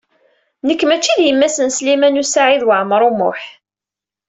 Nekk mačči d yemma-s n Sliman U Saɛid Waɛmaṛ U Muḥ.